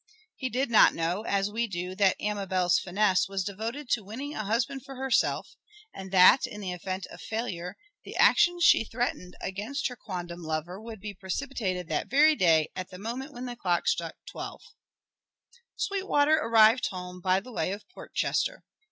He did not know, as we do, that Amabel's finesse was devoted to winning a husband for herself, and that, in the event of failure, the action she threatened against her quondam lover would be precipitated that very day at the moment when the clock struck twelve. ...... Sweetwater arrived home by the way of Portchester.